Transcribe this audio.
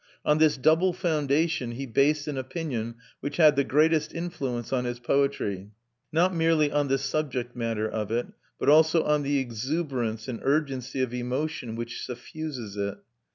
On this double foundation he based an opinion which had the greatest influence on his poetry, not merely on the subject matter of it, but also on the exuberance and urgency of emotion which suffuses it.